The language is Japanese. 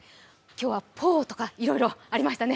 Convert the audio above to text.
今日は「ポー」とかいろいろありましたね。